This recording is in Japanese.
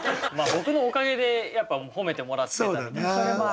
僕のおかげでやっぱ褒めてもらってたみたいなとこが。